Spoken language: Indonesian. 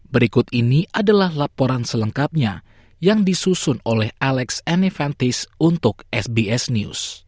berikut ini adalah laporan selengkapnya yang disusun oleh alex anivantis untuk sbs news